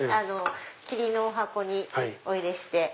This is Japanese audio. キリのお箱にお入れして。